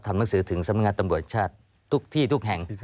หนังสือถึงสำนักงานตำรวจชาติทุกที่ทุกแห่ง